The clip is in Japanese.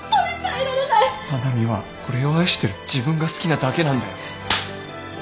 愛菜美は俺を愛してる自分が好きなだけなんだよ。